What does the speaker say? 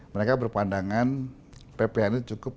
mereka berpandangan pphn cukup